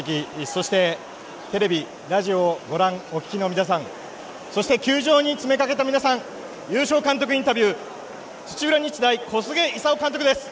そして、テレビ、ラジオをご覧お聞きの皆さん、そして球場に詰めかけた皆さん優勝監督インタビュー土浦日大、小菅勲監督です。